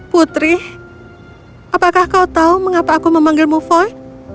putri apakah kau tahu mengapa aku memanggilmu foy